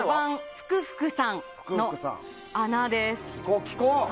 ふくふくさんの穴です。